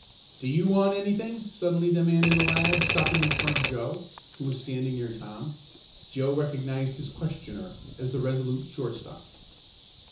"Do you want anything?" suddenly demanded a lad stopping in front of Joe, who was standing near Tom. Joe recognized his questioner as the Resolute shortstop.